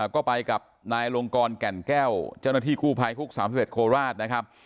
ก็ไปกับนายลงกรแก่นแก้วเจ้าหน้าที่กู้ภัยฮุก๓๑โคราชนะครับ